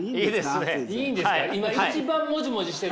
いいんですか？